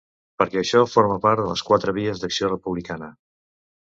Perquè això forma part de les quatre vies d’acció republicana.